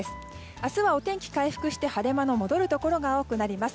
明日はお天気が回復して晴れ間の戻るところが多くなります。